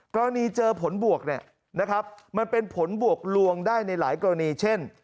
กรณีเจอผลบวกมันเป็นผลบวกลวงได้ในหลายกรณีเช่น